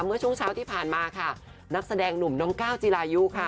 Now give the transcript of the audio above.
เมื่อช่วงเช้าที่ผ่านมาค่ะนักแสดงหนุ่มน้องก้าวจีรายุค่ะ